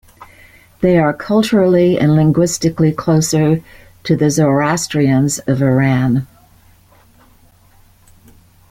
They are culturally and linguistically closer to the Zoroastrians of Iran.